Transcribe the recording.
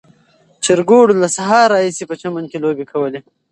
چرګوړو له سهار راهیسې په چمن کې لوبې کولې.